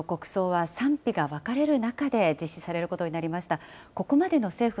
今回の国葬は、賛否が分かれる中で実施されることになりました。